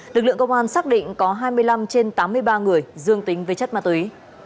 lực lượng công an xác định có hai mươi năm trên tám mươi ba người dương tính với chất ma túy